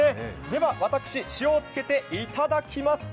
では私、塩をつけて頂きます。